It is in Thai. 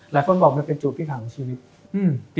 หลายคนบอกวันนี่เป็นจุดพิธีของชีวิต